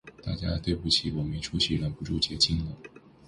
大家对不起，我没出息，忍不住结晶了